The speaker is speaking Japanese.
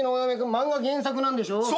漫画原作なんでしょ？